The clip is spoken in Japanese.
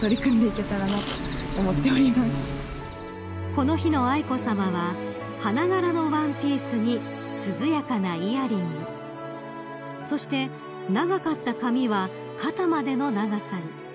［この日の愛子さまは花柄のワンピースに涼やかなイヤリングそして長かった髪は肩までの長さに］